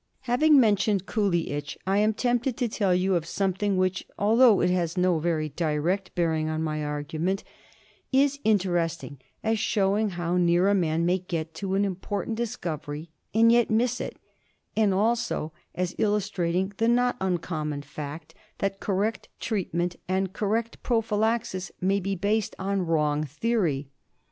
Having mentioned Coolie itch, I am tempted to tell you of something which, although it has no very direct bearing on my argument, is interesting as showing how near a man may get to an important discovery and yet miss it, and also as illustrating the not uncommon fact that correct treatment and correct prophylaxis may be based on wrong theory.